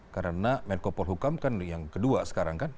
karena merkopol hukam kan yang kedua sekarang kan